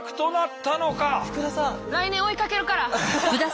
来年追いかけるから。